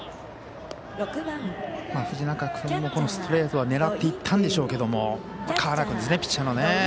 藤中君もストレートは狙っていったんでしょうけども川原君ですね、ピッチャー。